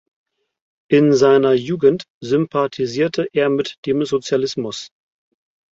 In seiner Jugend sympathisierte er mit dem Sozialismus.